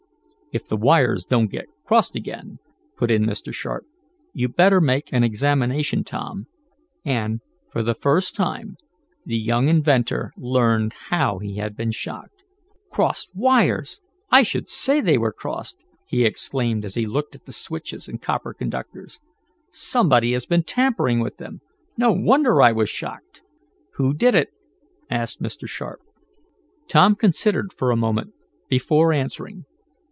"If the wires don't get crossed again," put in Mr. Sharp. "You'd better make an examination, Tom," and, for the first time, the young inventor learned how he had been shocked. "Crossed wires! I should say they were crossed!" he exclaimed as he looked at the switches and copper conductors. "Somebody has been tampering with them. No wonder I was shocked!" "Who did it?" asked Mr. Sharp. Tom considered for a moment, before answering.